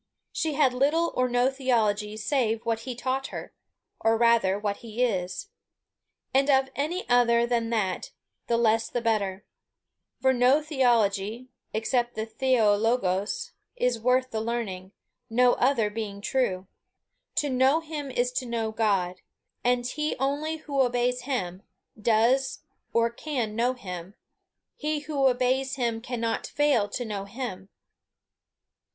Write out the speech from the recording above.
She had little or no theology save what he taught her, or rather, what he is. And of any other than that, the less the better; for no theology, except the Θεοῡ λόγος, is worth the learning, no other being true. To know him is to know God. And he only who obeys him, does or can know him; he who obeys him cannot fail to know him.